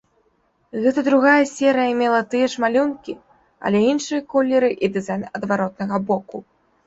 Гэта другая серыя мела тыя ж малюнкі, але іншыя колеры і дызайн адваротнага боку.